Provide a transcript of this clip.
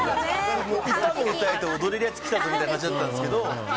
歌も歌えて踊れるやつが来たっていう感じだったんですけど。